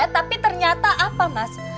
tapi ternyata apa mas